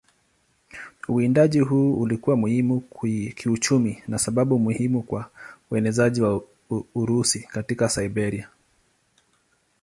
Uwindaji huu ulikuwa muhimu kiuchumi na sababu muhimu kwa uenezaji wa Urusi katika Siberia.